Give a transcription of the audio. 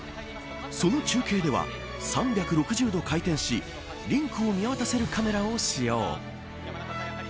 その中継では３６０度回転しリンクを見渡せるカメラを使用。